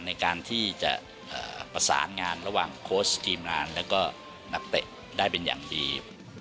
ในการที่จะประสานงานระหว่างโค้ชทีมงานแล้วก็นักเตะได้เป็นอย่างดี